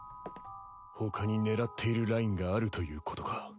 他に狙っているラインがあるということか。